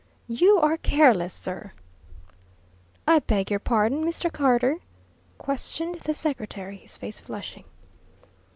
"You are careless, sir!" "I beg your pardon, Mr. Carter?" questioned the secretary, his face flushing.